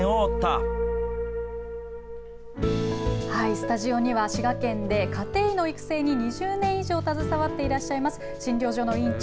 スタジオには滋賀県で家庭医の育成に２０年以上携わっていらしゃいます診療所の院長